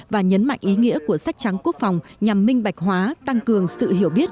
và nhấn mạnh ý nghĩa của sách trắng quốc phòng nhằm minh bạch hóa tăng cường sự hiểu biết